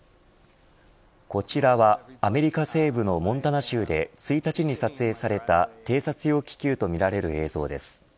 こちらはアメリカ西部のモンタナ州で１日に撮影された偵察用気球とみられる映像です。